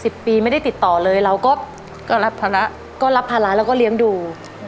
สิบปีไม่ได้ติดต่อเลยเราก็ก็รับภาระก็รับภาระแล้วก็เลี้ยงดู